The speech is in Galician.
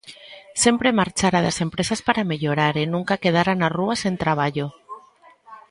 Sempre marchara das empresas para mellorar e nunca quedara na rúa sen traballo.